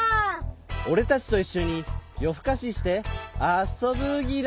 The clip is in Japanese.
おれたちといっしょによふかししてあそぶギラ。